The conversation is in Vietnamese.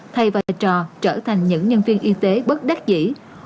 thay vai trò trở thành những nhân viên y tế bất đắc dĩ